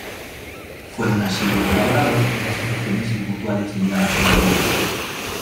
Fue un asiduo colaborador de asociaciones y mutuales ligadas con el Magisterio.